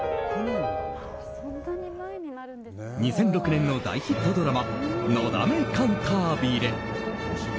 ２００６年の大ヒットドラマ「のだめカンタービレ」。